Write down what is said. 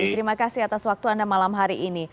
terima kasih atas waktu anda malam hari ini